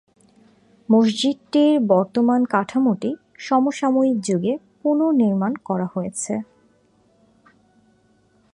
মসজিদটির বর্তমান কাঠামোটি সমসাময়িক যুগে পুনর্নির্মাণ করা হয়েছে।